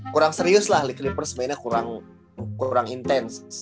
kurang serius lah clippers mainnya kurang kurang intense